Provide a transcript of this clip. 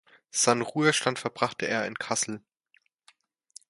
Seinen Ruhestand verbrachte er in Kassel.